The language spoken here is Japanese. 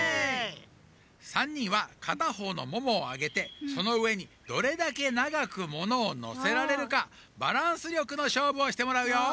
３にんはかたほうのももをあげてその上にどれだけながくものをのせられるかバランスりょくのしょうぶをしてもらうよ。